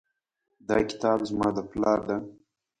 دا کتاب زما د پلار ده